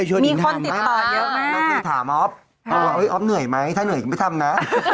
จัดจ้านย้อนวิพา